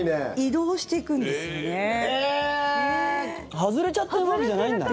外れちゃってるわけじゃないんだね。